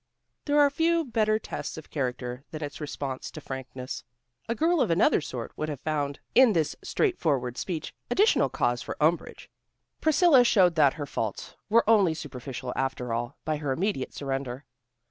There are few better tests of character than its response to frankness. A girl of another sort would have found in this straightforward speech additional cause for umbrage. Priscilla showed that her faults were only superficial after all, by her immediate surrender.